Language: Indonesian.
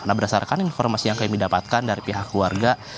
nah berdasarkan informasi yang kami dapatkan dari pihak keluarga